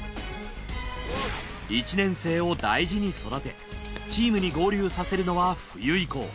１年生を大事に育てチームに合流させるのは冬以降。